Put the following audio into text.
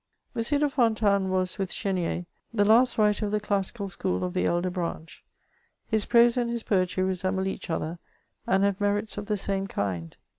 M. de Fontanes was, with Chenier, the last writer of the classical school of the elder branch ; his prose and his poetry resemble each other, and have merits of the same kind.